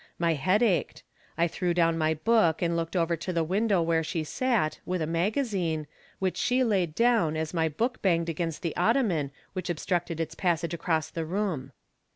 My head ached. I threw down my book and looked over to the window where she sat, with a magazine, which she laid down as my book banged against the ot toman wliich obstructed its passage across the room.